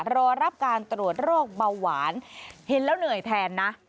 รอรับการตรวจโรคเบาหวานเห็นแล้วเหนื่อยแทนนะ